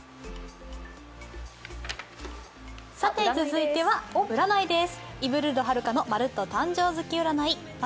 続いては占いです。